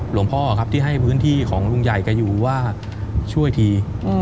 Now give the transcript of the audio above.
หลวงพ่อครับที่ให้พื้นที่ของลุงใหญ่แกอยู่ว่าช่วยที